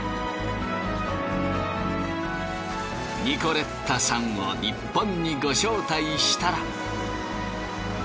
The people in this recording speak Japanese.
ニコレッタさんをニッポンにご招待したら。